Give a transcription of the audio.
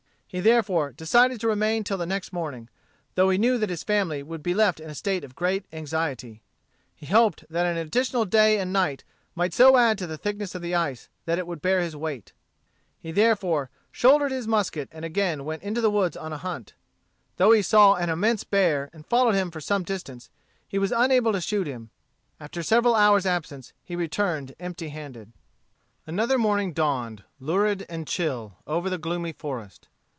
He therefore decided to remain till the next morning, though he knew that his family would be left in a state of great anxiety. He hoped that an additional day and night might so add to the thickness of the ice that it would bear his weight. He therefore shouldered his musket and again went into the woods on a hunt. Though he saw an immense bear, and followed him for some distance, he was unable to shoot him. After several hours' absence, he returned empty handed. Another morning dawned, lurid and chill, over the gloomy forest.